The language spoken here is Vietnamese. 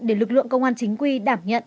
để lực lượng công an chính quy đảm nhận